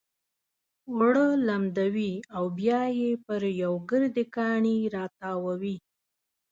اوړه لمدوي او بيا يې پر يو ګردي کاڼي را تاووي.